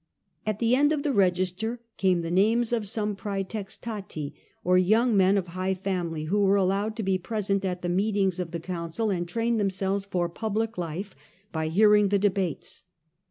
At the end of the register came the names of some prcetextaiiy or young men of high family, who were allowed to be present at the meetings of the council and train themselves for public life by hearing the de bates.